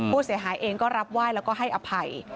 ผู้เสียหายเองก็รับไหว้แล้วก็ให้อภัย